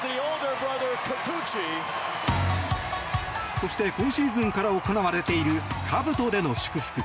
そして今シーズンから行われている、かぶとでの祝福。